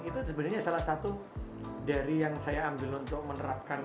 itu sebenarnya salah satu dari yang saya ambil untuk menerapkan